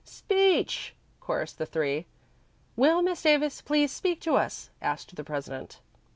"Speech!" chorused the Three. "Will Miss Davis please speak to us?" asked the president.